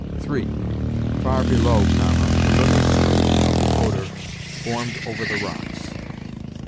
3. 'Far below[,] the little stream of the Oder foamed over the rocks.'